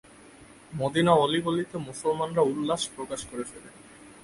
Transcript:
মদীনার অলি-গলিতে মুসলমানরা উল্লাস প্রকাশ করে ফেরে।